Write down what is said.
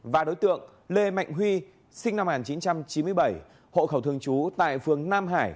và đối tượng lê mạnh huy sinh năm một nghìn chín trăm chín mươi bảy hộ khẩu thường trú tại phường nam hải